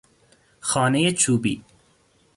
خانهی چوبی